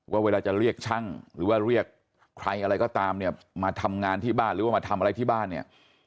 เวลาจะเรียกช่างหรือว่าเรียกใครอะไรก็ตามเนี่ยมาทำงานที่บ้านหรือว่ามาทำอะไรที่บ้านเนี่ย